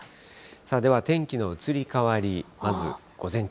さあ、では天気の移り変わり、まず午前中。